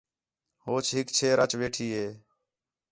ہوچ ہِک چھیر اَچ ویٹھی ہِے